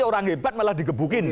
orang hebat malah digebukin